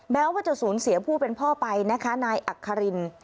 แม้ว่าจะสูญเสียผู้เป็นพ่อไปนะคะนายอัคคาริน